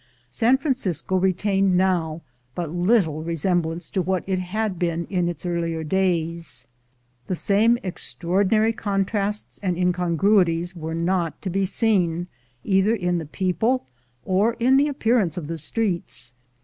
San Francisco retained now but little resemblance to what it had been in its earlier days. The same extraordinary contrasts and incongruities were not to be seen either in the people or in the appearance of the streets.